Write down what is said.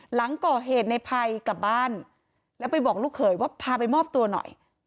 หลังก่อเหตุในภัยกลับบ้านแล้วไปบอกลูกเขยว่าพาไปมอบตัวหน่อย